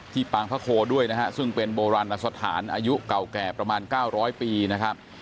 ปางพระโคด้วยนะฮะซึ่งเป็นโบราณสถานอายุเก่าแก่ประมาณ๙๐๐ปีนะครับ